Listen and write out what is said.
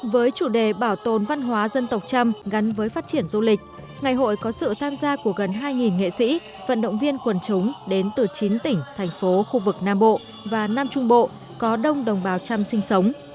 với chủ đề bảo tồn văn hóa dân tộc trăm gắn với phát triển du lịch ngày hội có sự tham gia của gần hai nghệ sĩ vận động viên quần chúng đến từ chín tỉnh thành phố khu vực nam bộ và nam trung bộ có đông đồng bào trăm sinh sống